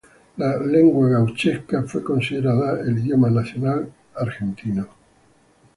La lengua gauchesca fue considerada el idioma nacional y argentino.